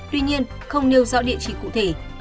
tuy nhiên không nêu dõi địa chỉ cụ thể